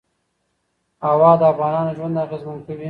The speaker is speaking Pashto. هوا د افغانانو ژوند اغېزمن کوي.